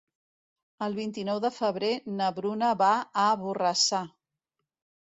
El vint-i-nou de febrer na Bruna va a Borrassà.